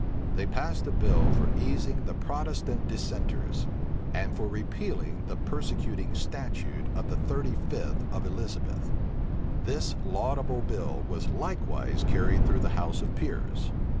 They passed a bill for easing the Protestant dissenters, and for repealing the persecuting statute of the thirty fifth of Elizabeth: this laudable bill was likewise carried through the house of peers.